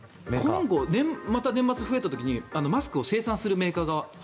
また年末、増えた時にマスクを生産するメーカー側。